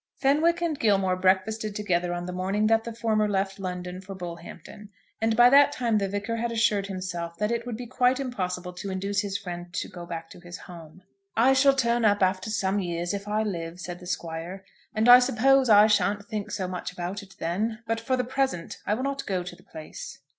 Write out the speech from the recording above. Fenwick and Gilmore breakfasted together on the morning that the former left London for Bullhampton; and by that time the Vicar had assured himself that it would be quite impossible to induce his friend to go back to his home. "I shall turn up after some years if I live," said the Squire; "and I suppose I shan't think so much about it then; but for the present I will not go to the place."